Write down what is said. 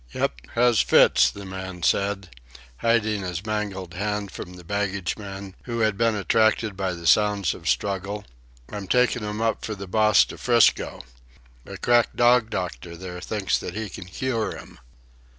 "Yep, has fits," the man said, hiding his mangled hand from the baggageman, who had been attracted by the sounds of struggle. "I'm takin' 'm up for the boss to 'Frisco. A crack dog doctor there thinks that he can cure 'm."